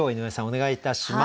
お願いいたします。